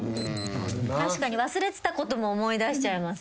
確かに忘れてたことも思い出しちゃいますよね。